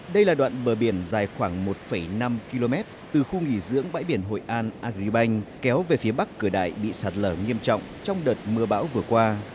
đây là đoạn bờ biển dài khoảng một năm km từ khu nghỉ dưỡng bãi biển hội an agribank kéo về phía bắc cửa đại bị sạt lở nghiêm trọng trong đợt mưa bão vừa qua